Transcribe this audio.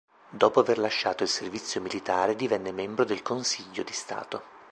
Dopo aver lasciato il servizio militare divenne membro del Consiglio di Stato.